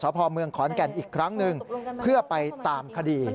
พ่อเมืองขอนแก่นอีกครั้งหนึ่งเพื่อไปตามคดี